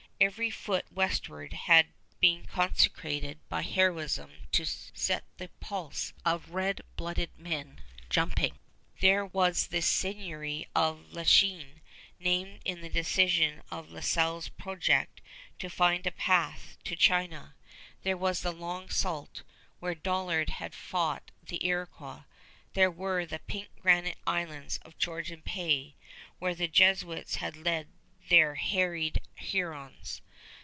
Every foot westward had been consecrated by heroism to set the pulse of red blooded men jumping. There was the seigniory of La Chine, named in derision of La Salle's project to find a path to China. There was the Long Sault, where Dollard had fought the Iroquois. There were the pink granite islands of Georgian Bay, where the Jesuits had led their harried Hurons.